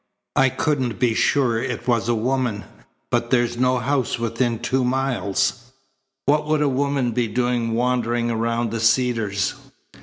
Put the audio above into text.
"I couldn't be sure it was a woman, but there's no house within two miles. What would a woman be doing wandering around the Cedars?"